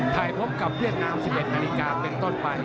ไทยพบกับเวียดนาม๑๑นาฬิกาเป็นต้นไป